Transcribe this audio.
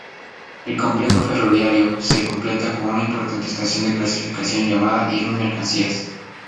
El complejo ferroviario se completa con una importante estación de clasificación llamada Irún Mercancías.